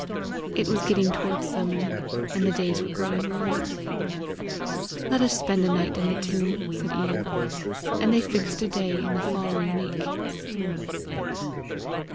It was getting toward summer, and the days were growing longer. "Let us spend a night in the tomb!" said Ian; and they fixed a day in the following week.